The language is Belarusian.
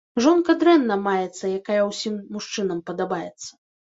Жонка дрэнна маецца, якая ўсім мужчынам падабаецца.